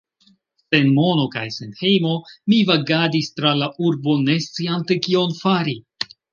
Sen mono kaj sen hejmo mi vagadis tra la urbo, ne sciante kion fari...